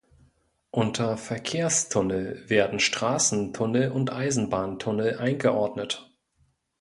Unter "Verkehrstunnel" werden Straßentunnel und Eisenbahntunnel eingeordnet.